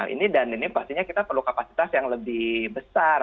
ini dan ini pastinya kita perlu kapasitas yang lebih besar